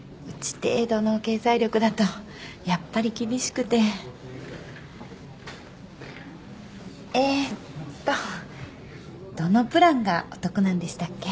程度の経済力だとやっぱり厳しくてえーっとどのプランがお得なんでしたっけ？